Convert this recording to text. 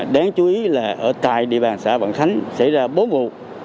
đáng chú ý là ở tại địa bàn xã vạn khánh xảy ra bốn vụ